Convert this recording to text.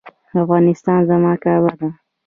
افغانستان زما کعبه ده؟